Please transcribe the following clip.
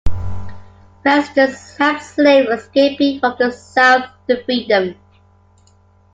Residents helped slaves escaping from the South to freedom.